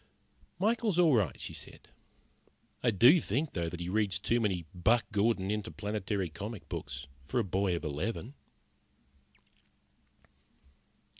"Michael is all right," she said. "I do think, though, that he reads too many Buck Gordon Interplanetary comic books for a boy of eleven."